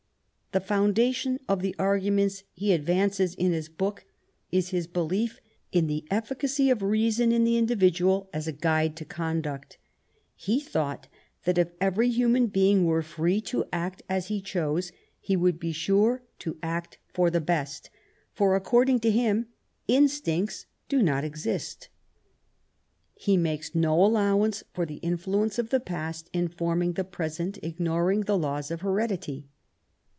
The foundation of the arguments he advances in this book is his belief in the efQcacy of reason in the individual as a guide to conduct. He thought that, if «ach human being were free to act as* he chose, he would be sure to act for the best ; for, according to him, instincts do not exist. He makes no allowance for the influence of the past in forming the present, ignoring the laws of heredity.